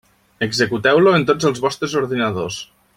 Executeu-lo en tots els vostres ordinadors.